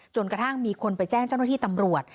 กระทั่งมีคนไปแจ้งเจ้าหน้าที่ตำรวจ